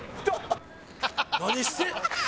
「何してん」